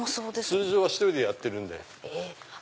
通常は１人でやってるんで。